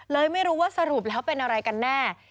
เลยไม่รู้ว่าสรุปแล้วเป็นอะไรกันแน่